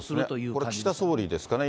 これ、岸田総理ですかね。